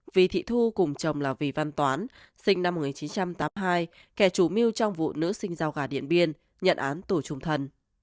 vì thị thu cùng chồng là vì văn toán sinh năm một nghìn chín trăm tám mươi hai kẻ chủ mưu trong vụ nữ sinh giao gà điện biên nhận án tù trung thân